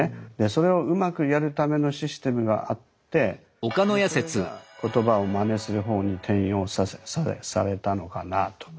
それをうまくやるためのシステムがあってでそれが言葉をマネする方に転用されたのかなあと。